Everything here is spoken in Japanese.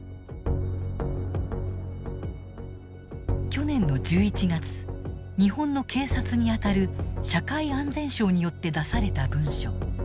去年の１１月日本の警察にあたる社会安全省によって出された文書。